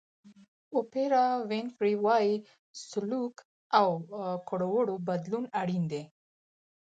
اوپرا وینفري وایي سلوک او کړو وړو بدلون اړین دی.